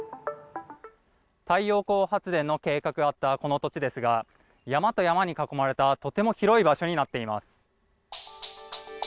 太陽光発の計画があったこの土地ですが山と山に囲まれたとても広い場所になっています。